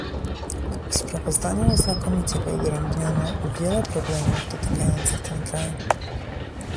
W sprawozdaniu znakomicie wyodrębniono wiele problemów dotykających ten kraj